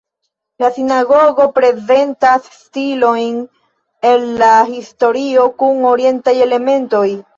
La sinagogo prezentas stilojn el la historio kun orientaj elementoj.